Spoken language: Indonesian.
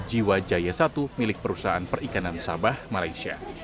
jiwa jaya satu milik perusahaan perikanan sabah malaysia